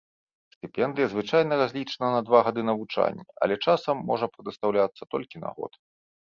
Стыпендыя звычайна разлічана на два гады навучання, але часам можа прадастаўляцца толькі на год.